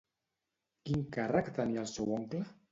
Quin càrrec tenia el seu oncle?